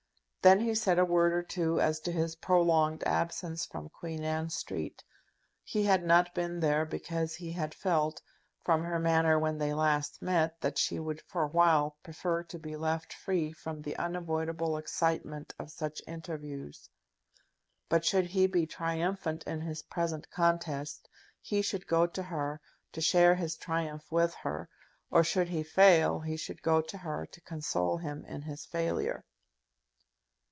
Then he said a word or two as to his prolonged absence from Queen Anne Street. He had not been there because he had felt, from her manner when they last met, that she would for a while prefer to be left free from the unavoidable excitement of such interviews. But should he be triumphant in his present contest, he should go to her to share his triumph with her; or, should he fail, he should go to her to console him in his failure.